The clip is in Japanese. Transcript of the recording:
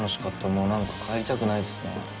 もう、なんか帰りたくないですね。